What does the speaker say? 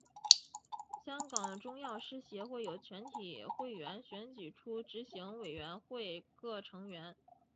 香港中药师协会由全体会员选举出执行委员会各成员。